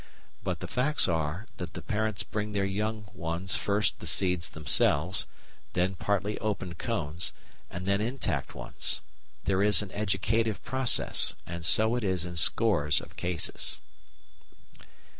But the facts are that the parents bring their young ones first the seeds themselves, then partly opened cones, and then intact ones. There is an educative process, and so it is in scores of cases.